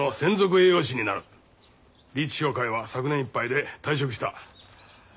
リーチ商会は昨年いっぱいで退職した。